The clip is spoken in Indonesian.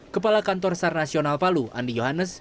kepala kantor sar nasional palu andi yohannes